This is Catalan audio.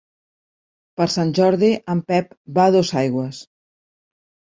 Per Sant Jordi en Pep va a Dosaigües.